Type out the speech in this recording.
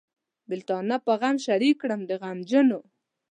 بېلتانه په غم شریک کړم د غمجنو.